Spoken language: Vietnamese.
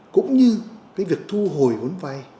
cũng như việc thu hồi vốn vai